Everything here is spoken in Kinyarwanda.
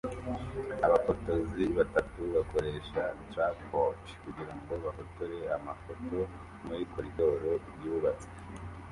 Abafotozi batatu bakoresha trapode kugirango bafotore amafoto muri koridoro yubatswe